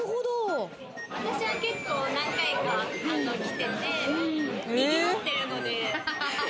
私は結構、何回か来てて、賑わってるので。